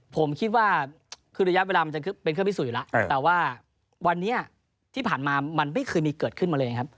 ผมคิดว่าคือระยะเวลามันจะเป็นเครื่องพิสูจน์อยู่แล้วแต่ว่าวันนี้ที่ผ่านมามันไม่เคยมีเกิดขึ้นมาเลยครับ